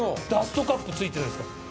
ダストカップ付いてないですから。